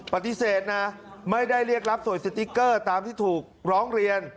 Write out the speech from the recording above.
ปฏิเสธนะไม่ได้เรียกรับสวยสติ๊กเกอร์ตามที่ถูกร้องเรียน